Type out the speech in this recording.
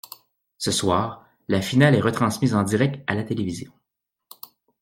Ce soir, la finale est retransmise en direct à la télévision.